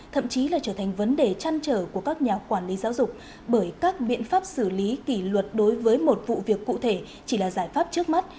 thậm chí là trở thành vấn đề trăn trở của các nhà quản lý giáo dục bởi các biện pháp xử lý kỷ luật đối với một vụ việc cụ thể chỉ là giải pháp trước mắt